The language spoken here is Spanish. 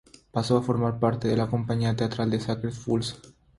Pasó a formar parte de la compañía teatral Sacred Fools.